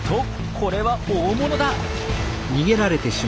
これは大物だ。